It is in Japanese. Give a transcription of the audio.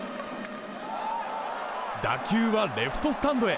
打球はレフトスタンドへ。